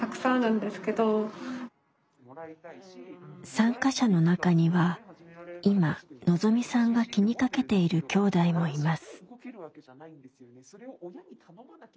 参加者の中には今のぞみさんが気にかけているきょうだいもいます。